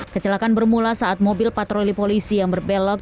kecelakaan bermula saat mobil patroli polisi yang berbelok